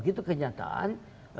dia berusia dua belas tahun